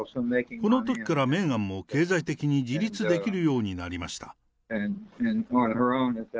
このときからメーガンも経済的に自立できるようになりました。